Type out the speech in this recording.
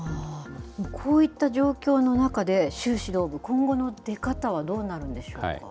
こういった状況の中で、習指導部、今後の出方はどうなんでしょうか。